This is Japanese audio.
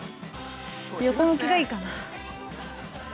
横向きがいいかな。